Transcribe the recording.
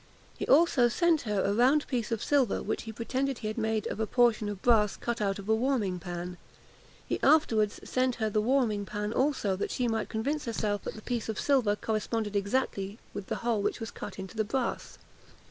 He also sent her a round piece of silver, which he pretended he had made of a portion of brass cut out of a warming pan. He afterwards sent her the warming pan also, that she might convince herself that the piece of silver corresponded exactly with the hole which was cut into the brass.